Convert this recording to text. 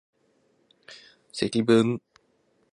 積分